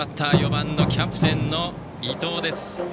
４番のキャプテンの伊藤です。